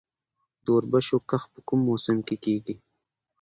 د وربشو کښت په کوم موسم کې کیږي؟